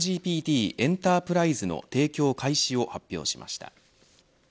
チャットＧＰＴエンタープライズの提供開始を発表しました。